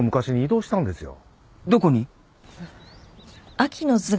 どこに？